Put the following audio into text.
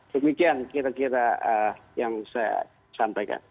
demikian kira kira yang saya sampaikan